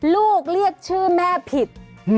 ลูกเรียกชื่อแม่ผิด